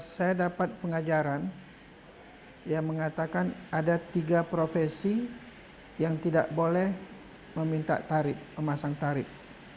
saya dapat pengajaran yang mengatakan ada tiga profesi yang tidak boleh meminta tarif memasang tarif